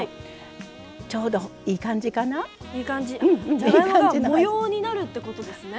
じゃがいもが模様になるってことですね。